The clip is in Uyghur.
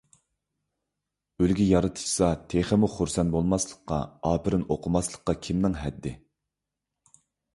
ئۈلگە يارىتىشسا تېخىمۇ خۇرسەن بولماسلىققا، ئاپىرىن ئوقۇماسلىققا كىمنىڭ ھەددى!؟